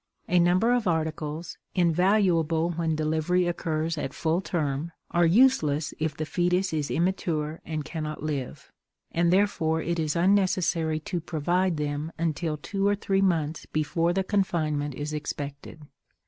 A number of articles, invaluable when delivery occurs at full term, are useless if the fetus is immature and cannot live, and therefore it is unnecessary to provide them until two or three months before the confinement is expected.